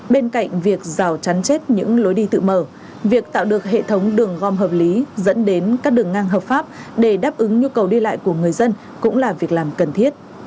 bên cạnh việc rào chắn chết những lối đi tự mở việc tạo được hệ thống đường gom hợp lý dẫn đến các đường ngang hợp pháp để đáp ứng nhu cầu đi lại của người dân cũng là việc làm cần thiết